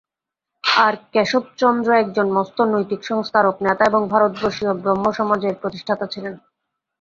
আর কেশবচন্দ্র একজন মস্ত নৈতিক সংস্কারক, নেতা এবং ভারতবর্ষীয় ব্রহ্মসমাজের প্রতিষ্ঠাতা ছিলেন।